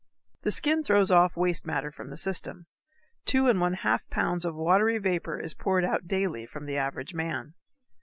The skin throws off waste matter from the system. Two and one half pounds of watery vapor is poured out daily from the average man.